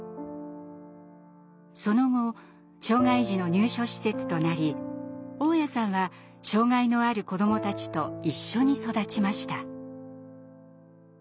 その後障害児の入所施設となり雄谷さんは障害のある子どもたちと一緒に育ちました。